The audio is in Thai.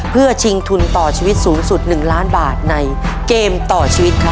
เพื่อชิงทุนต่อชีวิตสูงสุด๑ล้านบาทในเกมต่อชีวิตครับ